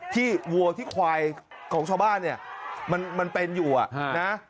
วัวที่ควายของชาวบ้านเนี่ยมันเป็นอยู่นะ